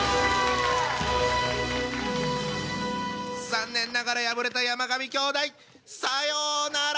残念ながら敗れた山上兄弟さようなら！